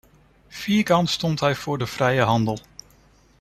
Vierkant stond hij voor de vrije handel.